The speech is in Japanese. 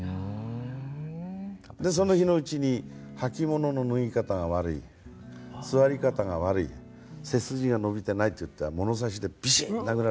でその日のうちに「履き物の脱ぎ方が悪い」「座り方が悪い」「背筋が伸びてない」って言っては物差しでビシッてなぐられる。